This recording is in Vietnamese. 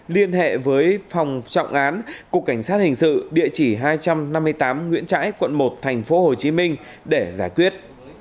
liên hệ với phòng trọng án cục cảnh sát hình sự địa chỉ hai trăm năm mươi tám nguyễn trãi quận một tp hcm để giải quyết